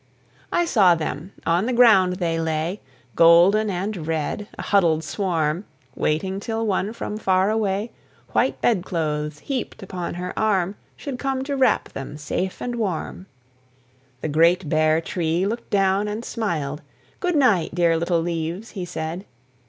I saw them; on the ground they lay, Golden and red, a huddled swarm, Waiting till one from far away, White bedclothes heaped upon her arm, Should come to wrap them safe and warm. The great bare Tree looked down and smiled. "Good night, dear little leaves," he said.